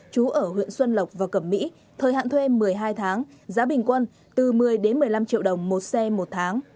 chú ở huyện xuân lộc và cẩm mỹ thời hạn thuê một mươi hai tháng giá bình quân từ một mươi một mươi năm triệu đồng một xe một tháng